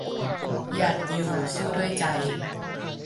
หยัดอยู่สู้ด้วยใจ